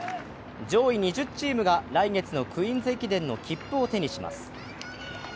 上位２０チームが来月のクイーンズ駅伝の切符を手にします。